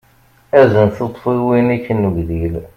Azen tuṭṭfiwin-ik n ugdil.